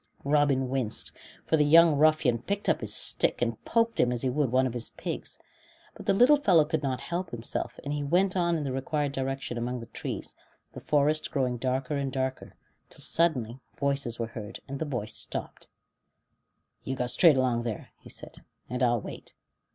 Robin winced, for the young ruffian picked up his stick and poked him as he would one of his pigs. But the little fellow could not help himself, and he went on in the required direction among the trees, the forest growing darker and darker, till suddenly voices were heard, and the boy stopped, "You go straight along there," he said, "and I'll wait."